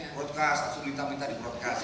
broadcast langsung minta minta di broadcast